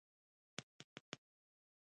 ډيورنډ يو غير رسمي کرښه ده.